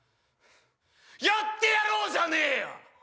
やってやろうじゃねえよ！